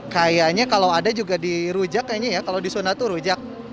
kayaknya kalau ada juga di rujak kayaknya ya kalau di zona itu rujak